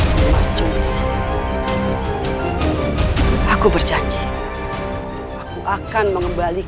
sebentar lagi kau akan menemui aja